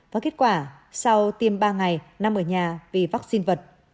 và kết quả sau tiêm ba ngày nằm ở nhà vì vaccine vật